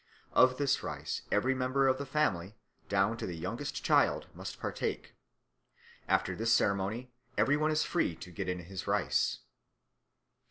Of this rice every member of the family, down to the youngest child, must partake. After this ceremony every one is free to get in his rice.